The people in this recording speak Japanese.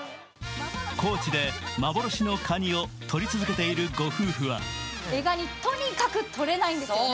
高知で幻のかにを取り続けているご夫婦はとにかくとれないんですよね。